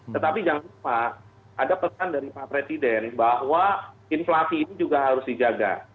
tetapi jangan lupa ada pesan dari pak presiden bahwa inflasi ini juga harus dijaga